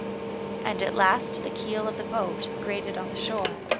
And at last the keel of the boat grated on the shore.